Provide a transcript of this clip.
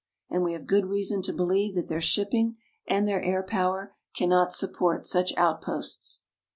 And we have good reason to believe that their shipping and their air power cannot support such outposts.